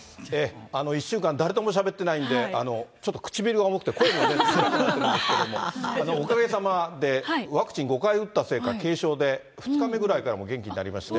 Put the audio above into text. １週間、誰ともしゃべってないんで、ちょっと唇が重くて、声が出なくなってるんですけれども、おかげさまで、ワクチン５回打ったせいか、軽症で、２日目ぐらいから元気になりまして。